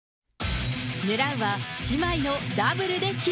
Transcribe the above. ねらうは、姉妹のダブルで金。